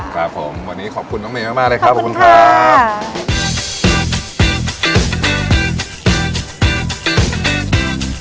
ครับผมวันนี้ขอบคุณน้องเมย์มากเลยครับขอบคุณครับ